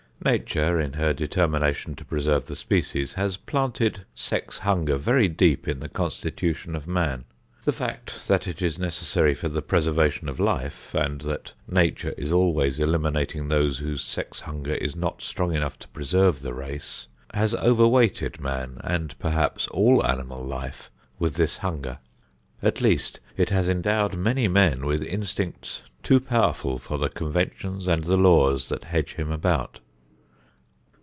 Nature, in her determination to preserve the species, has planted sex hunger very deep in the constitution of man. The fact that it is necessary for the preservation of life, and that Nature is always eliminating those whose sex hunger is not strong enough to preserve the race, has overweighted man and perhaps all animal life with this hunger. At least it has endowed many men with instincts too powerful for the conventions and the laws that hedge him about.